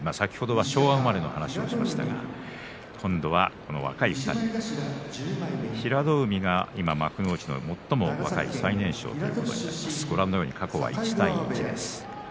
昭和生まれの話をしましたけども今度は若い２人平戸海が幕内で最も若い最年少過去は１対１です。